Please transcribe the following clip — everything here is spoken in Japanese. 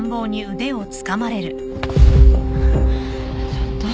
ちょっと。